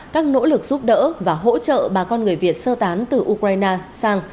các nỗ lực giúp đỡ và hỗ trợ bà con người việt sơ tán từ ukraine sang